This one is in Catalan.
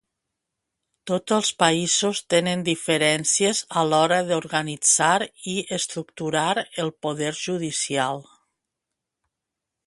Tots els països tenen diferències a l’hora d’organitzar i estructurar el poder judicial.